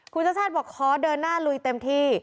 คุณชาติชาติบอกขอเดินหน้าลุยเต็มที่